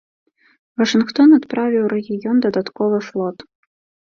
Вашынгтон адправіў у рэгіён дадатковы флот.